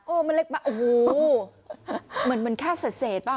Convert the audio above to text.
มันเล็กป่ะโอ้โหเหมือนมันแค่เศษป่ะ